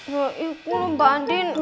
ya ibu loh mbak andin